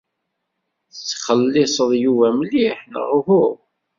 Tettxelliṣed Yuba mliḥ, neɣ uhu?